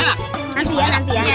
makasih non rema